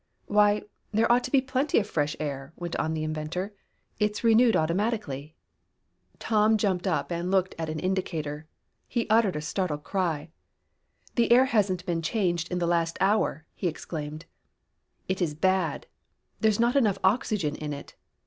"Why, there ought to be plenty of fresh air," went on the inventor. "It is renewed automatically." Tom jumped up and looked at an indicator. He uttered a startled cry. "The air hasn't been changed in the last hour!" he exclaimed. "It is bad. There's not enough oxygen in it.